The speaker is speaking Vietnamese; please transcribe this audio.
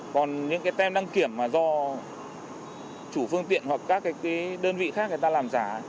còn những cái tem đăng kiểm mà do chủ phương tiện hoặc các đơn vị khác người ta làm giả